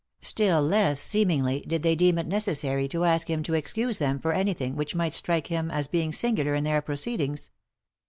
Still less, seemingly, did they deem it necessary to ask him to excuse them for anything which might strike him as being singular in their proceedings.